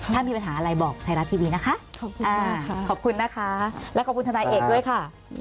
ถ้ามีปัญหาอะไรบอกไทยรัฐทีวีนะคะขอบคุณนะคะและขอบคุณทนายเอกด้วยค่ะ